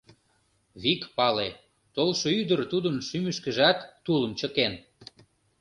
Вик пале: толшо ӱдыр тудын шӱмышкыжат тулым чыкен.